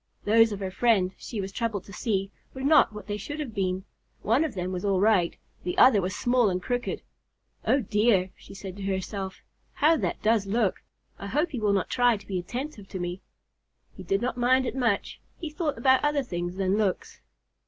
Those of her friend, she was troubled to see, were not what they should have been. One of them was all right, the other was small and crooked. "Oh dear," she said to herself, "how that does look! I hope he will not try to be attentive to me." He did not mind it much. He thought about other things than looks.